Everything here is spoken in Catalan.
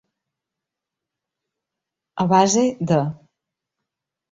A base de.